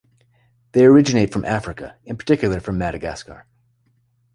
They originate from Africa, in particular from Madagascar.